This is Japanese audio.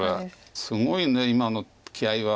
すごいね今の気合いは。